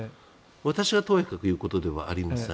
私がとやかく言うことではありません。